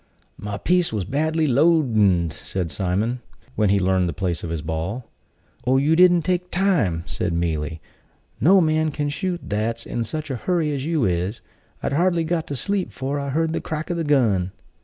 "My piece was badly loadned," said Simon, when he learned the place of his ball. "Oh, you didn't take time," said Mealy. "No man can shoot that's in such a hurry as you is. I'd hardly got to sleep 'fore I heard the crack o' the gun."